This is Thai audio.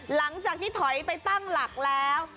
หลังจากที่ถอยไปตั้งหลักแล้ว